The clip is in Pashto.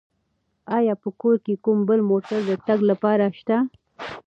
آیا په کور کې کوم بل موټر د تګ لپاره شته؟